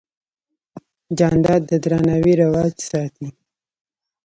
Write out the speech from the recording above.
جانداد د درناوي رواج ساتي.